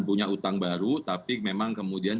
punya utang baru tapi memang kemudian